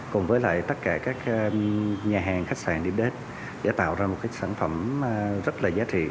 cùng với lại tất cả các nhà hàng khách sạn điểm đến để tạo ra một cái sản phẩm rất là giá trị